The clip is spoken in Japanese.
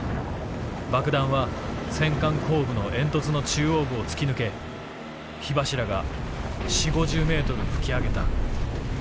爆弾は戦艦後部の煙突の中央部を突き抜け火柱が４０５０ｍ噴き上げた」。